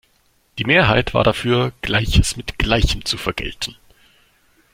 Die Mehrheit war dafür, Gleiches mit Gleichem zu vergelten.